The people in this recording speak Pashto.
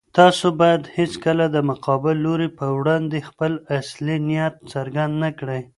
تاسو بايد هيڅکله د مقابل لوري په وړاندې خپل اصلي نيت څرګند نه کړئ.